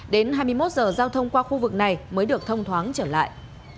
đến hai mươi một giờ giao thông qua khu vực này mới được thông thoáng trở lại